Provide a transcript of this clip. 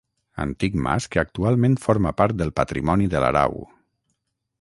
Antic mas que actualment forma part del patrimoni de l'Arau.